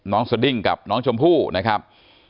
สดิ้งกับน้องชมพู่นะครับ